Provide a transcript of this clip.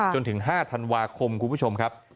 จนถึง๕ธันวาคมคุณผู้ชมครับ